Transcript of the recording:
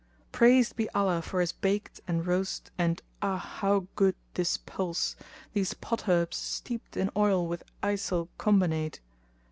Praised be Allah for His baked and roast and ah! how good * This pulse, these pot herbs steeped in oil with eysill combinate!